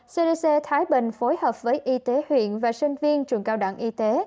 cdc thái bình phối hợp với y tế huyện và sinh viên trường cao đẳng y tế